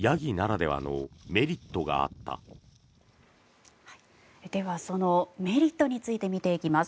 では、そのメリットについて見ていきます。